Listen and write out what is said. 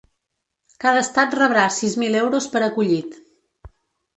Cada estat rebrà sis mil euros per acollit.